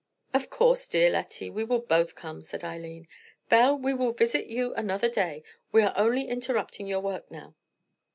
"Of course, dear Lettie, we will both come," said Eileen. "Belle, we will visit you another day; we are only interrupting your work now."